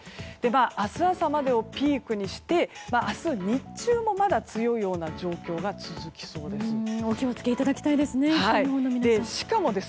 明日朝までをピークにして明日の日中もまだ強いような状況が続きそうです。